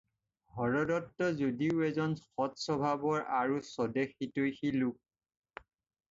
হৰদত্ত যদিও এজন সৎস্বভাৱৰ আৰু স্বদেশহিতৈষী লোক।